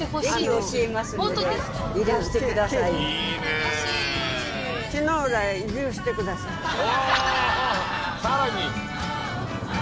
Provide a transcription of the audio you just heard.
おさらに。